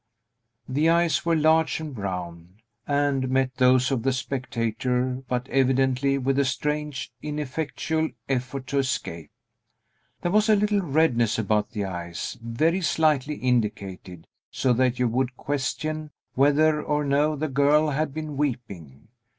The eyes were large and brown, and met those of the spectator, but evidently with a strange, ineffectual effort to escape. There was a little redness about the eyes, very slightly indicated, so that you would question whether or no the girl had been weeping.